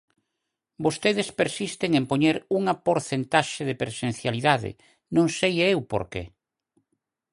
Vostedes persisten en poñer unha porcentaxe de presencialidade, non sei eu por que.